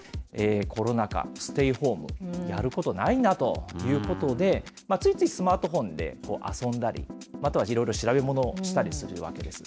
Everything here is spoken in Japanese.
コロナ禍、ステイホーム、やることないなということで、ついついスマートフォンで遊んだり、またはいろいろ調べものをしたりするわけです。